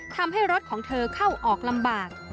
ทำให้รถของเธอเข้าออกลำบาก